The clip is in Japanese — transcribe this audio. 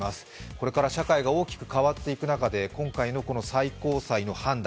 これから社会が大きく変わっていく中で、今回のこの最高裁の判断。